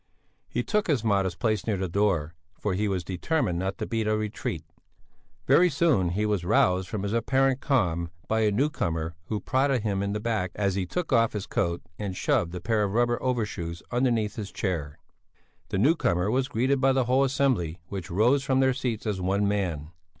He took his modest place near the door, for he was determined not to beat a retreat. Very soon he was roused from his apparent calm by a newcomer who prodded him in the back as he took off his coat and shoved a pair of rubber overshoes underneath his chair. The newcomer was greeted by the whole assembly which rose from their seats as one man.